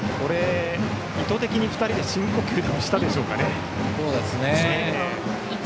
意図的に２人で深呼吸でもしたんでしょうか。